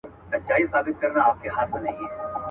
چي ملګری د سفر مي د بیابان یې.